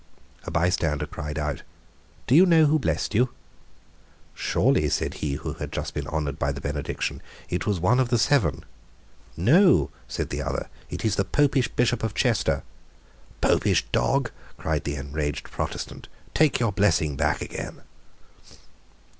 A bystander cried out, "Do you know who blessed you?" "Surely," said he who had just been honoured by the benediction, "it was one of the Seven." "No," said the other "it is the Popish Bishop of Chester." "Popish dog," cried the enraged Protestant; "take your blessing back again."